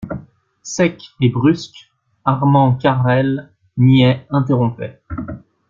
Sec et brusque, Armand Carel niait, interrompait.